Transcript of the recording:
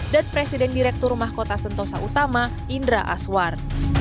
dan presiden direktur mahkota sentosa utama indra aswar